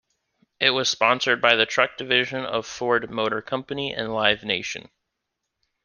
It was sponsored by the truck division of Ford Motor Company and Live Nation.